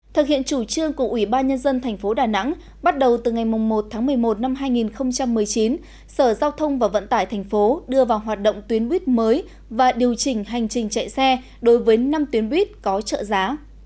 thực hiện chủ trương của ủy ban nhân dân thành phố đà nẵng bắt đầu từ ngày một tháng một mươi một năm hai nghìn một mươi chín sở giao thông và vận tải tp hcm đưa vào hoạt động tuyến buýt mới và điều chỉnh hành trình chạy xe đối với năm tuyến buýt có trợ giá